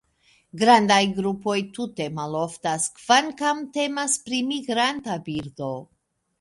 Grandaj grupoj tute maloftas, kvankam temas pri migranta birdo.